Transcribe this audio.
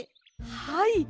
はい。